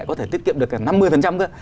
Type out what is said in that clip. có thể tiết kiệm được cả năm mươi thôi